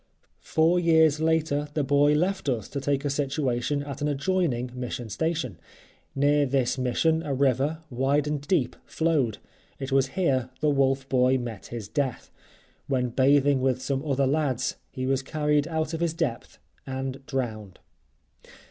Four years later the boy left us to take a situation at an adjoining mission station. Near this mission a river, wide and deep, flowed. It was here the wolf boy met his death. When bathing with some other lads he was carried out of his depth and drowned.